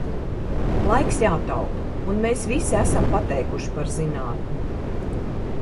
Laiks jātaupa, un mēs visi esam pateikuši par zinātni.